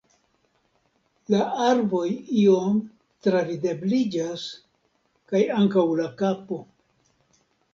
La arboj iom travidebliĝas, kaj ankaŭ la kapo…